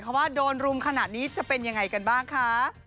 เพราะว่าโดนรุมขนาดนี้จะเป็นยังไงกันบ้างคะ